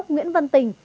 nguyên tân tình